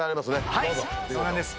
はいそうなんです。